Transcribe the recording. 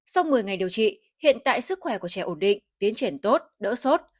sau một mươi ngày điều trị hiện tại sức khỏe của trẻ ổn định tiến triển tốt đỡ sốt